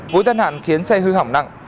vụ tân hạn khiến xe hư hỏng nặng